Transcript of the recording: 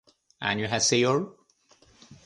あにょはせよ